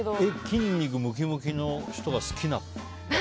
筋肉ムキムキの人が好きなわけ？